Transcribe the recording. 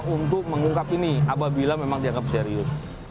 untuk mengungkap ini apabila memang dianggap serius